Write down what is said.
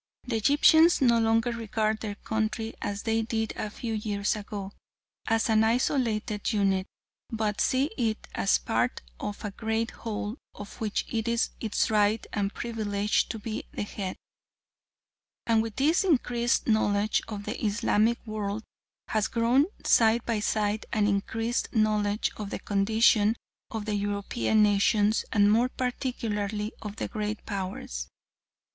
The Egyptians no longer regard their country as they did a few years ago, as an isolated unit, but see it as part of a great whole of which it is its right and privilege to be the head. And with this increased knowledge of the Islamic world has grown side by side an increased knowledge of the condition of the European nations and more particularly of the Great Powers.